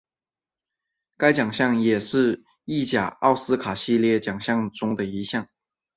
该奖项也是意甲奥斯卡系列奖项中的一项。